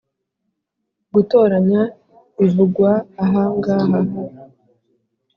Gutoranya bivugwa aha ngaha